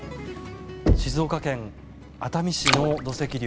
静岡県熱海市の土石流